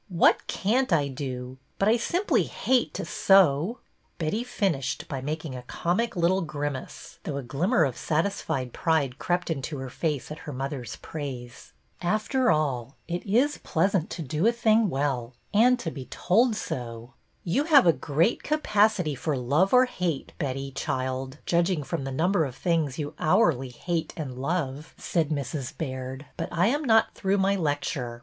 ''What can't I do? But I simply hate to sew!" Betty finished by making a comic little grim ''IN TIGHT PAPERS" 5 ace, though a glimmer of satisfied pride crept into her face at her mother's praise. After all, it is pleasant to do a thing well and to be told so. '' You have a great capacity for love or hate, Betty, child, judging from the number of things you hourly ' hate ' and ' love,' '' said Mrs. Baird. " But I am not through my lecture.